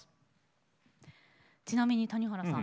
ちなみに谷原さん